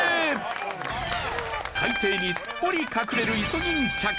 海底にすっぽり隠れるイソギンチャク。